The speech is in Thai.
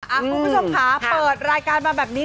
คุณผู้ชมค่ะเปิดรายการมาแบบนี้